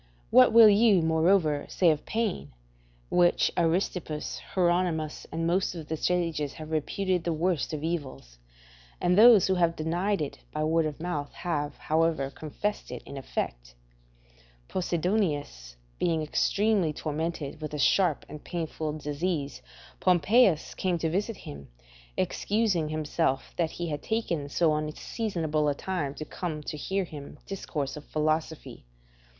What will you, moreover, say of pain, which Aristippus, Hieronimus, and most of the sages have reputed the worst of evils; and those who have denied it by word of mouth have, however, confessed it in effect? Posidonius being extremely tormented with a sharp and painful disease, Pompeius came to visit him, excusing himself that he had taken so unseasonable a time to come to hear him discourse of philosophy.